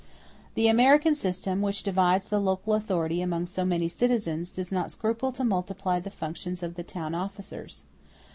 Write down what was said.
The American system, which divides the local authority among so many citizens, does not scruple to multiply the functions of the town officers.